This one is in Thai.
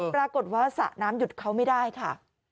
ปรากฏว่าสระน้ำหยุดเขาไม่ได้ค่ะ